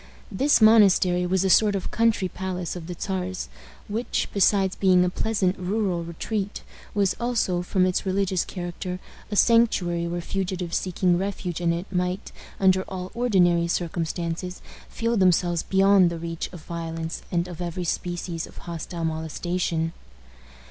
This monastery was a sort of country palace of the Czar's, which, besides being a pleasant rural retreat, was also, from its religious character, a sanctuary where fugitives seeking refuge in it might, under all ordinary circumstances, feel themselves beyond the reach of violence and of every species of hostile molestation.